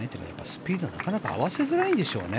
スピードをなかなか合わせづらいんでしょうね。